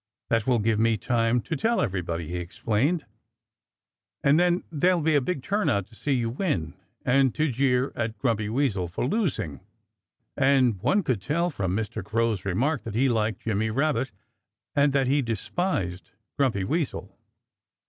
"That will give me time to tell everybody," he explained, "and then there'll be a big turnout to see you win and to jeer at Grumpy Weasel for losing." And one could tell from Mr. Crow's remark that he liked Jimmy Rabbit and that he despised Grumpy Weasel.